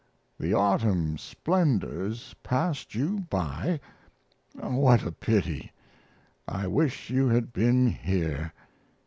The autumn splendors passed you by? What a pity! I wish you had been here.